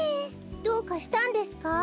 どうかしたんですか？